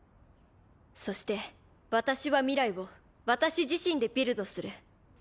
そして私は未来を私自身でビルドする。